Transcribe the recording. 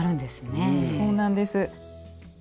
そうなんです。